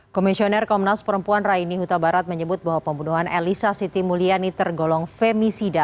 komisioner komnas perempuan raini huta barat menyebut bahwa pembunuhan elisa siti mulyani tergolong femisida